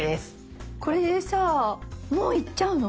これでさぁもういっちゃうの？